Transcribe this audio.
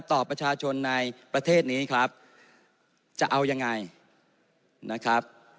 ต่อประชาชนในประเทศนี้ครับจะเอายังไงนะครับ